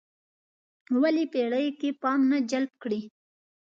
ولې پېړیو کې پام نه جلب کړی.